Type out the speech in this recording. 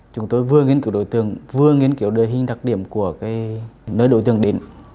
chúng tôi vừa nghiên cứu đối tượng vừa nghiên cứu đề hình đặc điểm của nơi đối tượng đến